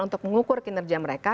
untuk mengukur kinerja mereka